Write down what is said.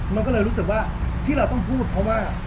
มันก็เลยรู้สึกว่าที่เราต้องพูดเพราะว่า